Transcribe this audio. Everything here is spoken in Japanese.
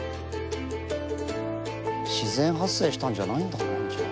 自然発生したんじゃないんだなじゃあ。